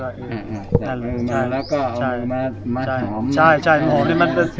ด้วยก็เอามาสอน